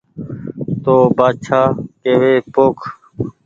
تو بآڇآڪيوي پوک